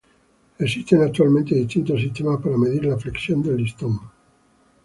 Existen actualmente distintos sistemas para medir la flexión del listón.